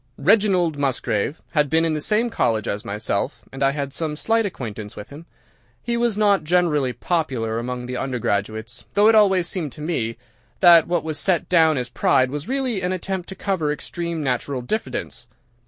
"Reginald Musgrave had been in the same college as myself, and I had some slight acquaintance with him. He was not generally popular among the undergraduates, though it always seemed to me that what was set down as pride was really an attempt to cover extreme natural diffidence.